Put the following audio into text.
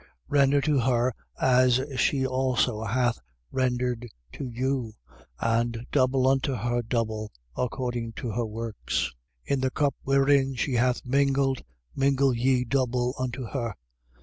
18:6. Render to her as she also hath rendered to you: and double unto her double, according to her works. In the cup wherein she hath mingled, mingle ye double unto her.